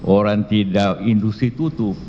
orang tidak industri tutup